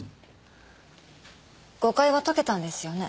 誤解は解けたんですよね？